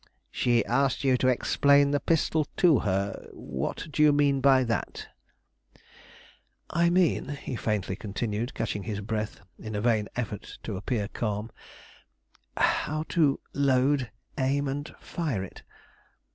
"She asked you to explain the pistol to her; what do you mean by that?" "I mean," he faintly continued, catching his breath in a vain effort to appear calm, "how to load, aim, and fire it."